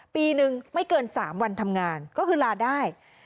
ปีนึงไม่เกิน๓วันทำงานก็คือลาได้